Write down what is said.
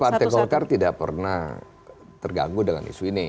jadi partai golkar tidak pernah terganggu dengan isu ini